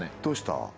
どうした？